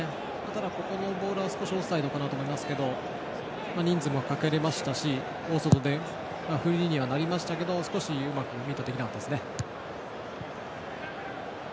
ただ、今のボール少しオフサイドかなと思いますが人数もかけれましたし大外でフリーにはなりましたが少しうまくミートできませんでした。